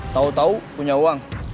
tahu tahu punya uang